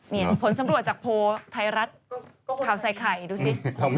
นี่ผลสำรวจจากโพลไทยรัฐข่าวใส่ไข่ดูสิ